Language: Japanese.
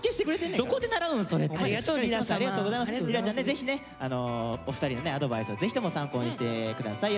ぜひねお二人のねアドバイスをぜひとも参考にして下さい。